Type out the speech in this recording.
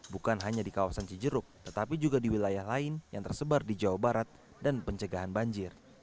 bukan hanya di kawasan cijeruk tetapi juga di wilayah lain yang tersebar di jawa barat dan pencegahan banjir